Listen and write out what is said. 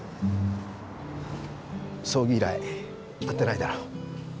葬儀以来会ってないだろ？